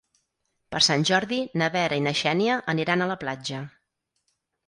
Per Sant Jordi na Vera i na Xènia aniran a la platja.